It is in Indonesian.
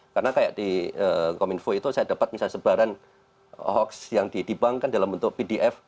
karena kayak di kominfo itu saya dapat misalnya sebaran hoax yang didibangkan dalam bentuk pdf